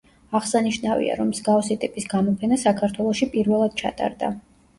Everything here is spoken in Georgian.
აღსანიშნავია, რომ მსგავსი ტიპის გამოფენა საქართველოში პირველად ჩატარდა.